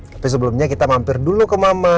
tapi sebelumnya kita mampir dulu ke mama